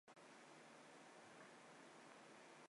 市川北部的台地上在旧石器时代就有人类活动。